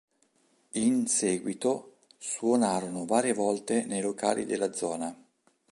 In seguito suonarono varie volte nei locali della zona.